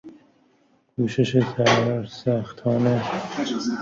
کوشش سرسختانه